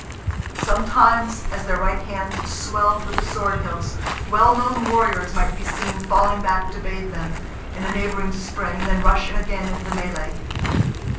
Sometimes as their right hands swelled with the sword hilts, well known warriors might be seen falling back to bathe them, in a neighbouring spring, and then rushing again into the melee.